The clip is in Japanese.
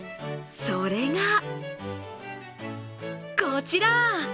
それがこちら！